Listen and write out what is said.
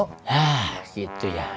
hah gitu ya